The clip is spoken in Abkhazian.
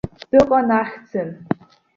Дыҟан ахьӡын.